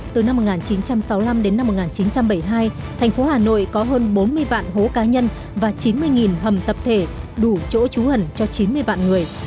từ năm một nghìn chín trăm sáu mươi năm đến năm một nghìn chín trăm bảy mươi hai thành phố hà nội có hơn bốn mươi vạn hố cá nhân và chín mươi hầm tập thể đủ chỗ trú ẩn cho chín mươi vạn người